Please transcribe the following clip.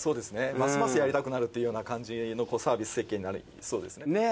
ますますやりたくなるっていうような感じのサービス設計になりそうですね。ねぇ。